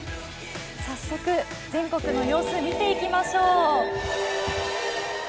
早速、全国の様子を見ていきましょう。